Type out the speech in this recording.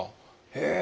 へえ。